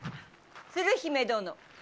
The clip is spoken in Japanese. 鶴姫殿。